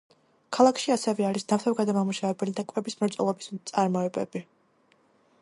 ქალაქში ასევე არის ნავთობგადამამუშავებელი და კვების მრეწველობის წარმოებები.